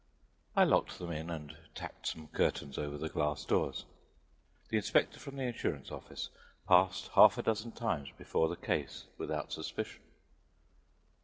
I locked them in and tacked some curtains over the glass doors. The inspector from the insurance office passed a half dozen times before the case without suspicion.